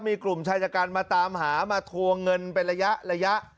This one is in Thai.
มีกลุ่มชายจัดการมาตามหามาทวงเงินเป็นระยะระยะ